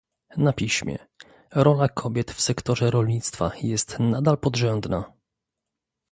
na piśmie - Rola kobiet w sektorze rolnictwa jest nadal podrzędna